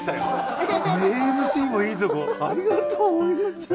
ありがとう柚乃ちゃん。